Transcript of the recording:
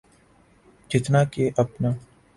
جتنا کہ اپنا۔